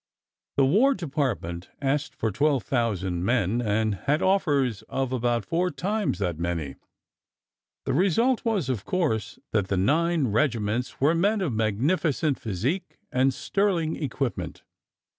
The War Department asked for 12,000 men, and had offers of about four times that many. The result was, of course, that the 9 regiments were men of magnificent physique and sterling equipment.